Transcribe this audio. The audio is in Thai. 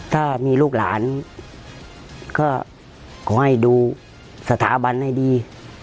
ถ้ามีลูกหลานก็ขอให้ดูสถาบันให้ดี